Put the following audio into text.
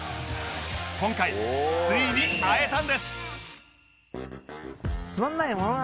今回ついに会えたんです！